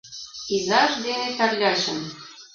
Изаж дене Тарлячын